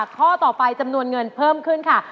ข้อต่อไปจำนวนเงินเพิ่มขึ้นค่ะ